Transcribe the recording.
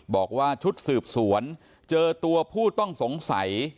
บอกว่าชุดสืบสวนเจอตัวผู้ต้องสงสัย